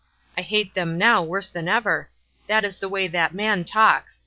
I hate them now worse than ever. That is the way that man talks.